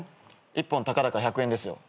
１本たかだか１００円ですよ。